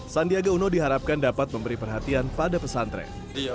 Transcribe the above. sandiaga uno diharapkan dapat memberi perhatian pada pesantren